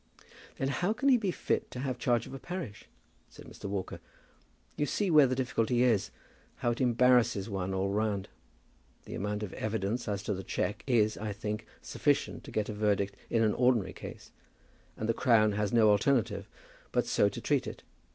"Then how can he be fit to have charge of a parish?" said Mr. Walker. "You see where the difficulty is. How it embarrasses one all round. The amount of evidence as to the cheque is, I think, sufficient to get a verdict in an ordinary case, and the Crown has no alternative but so to treat it.